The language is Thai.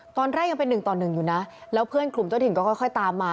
ตอนแรกยังเป็นหนึ่งต่อหนึ่งอยู่นะแล้วเพื่อนกลุ่มเจ้าถิ่นก็ค่อยตามมา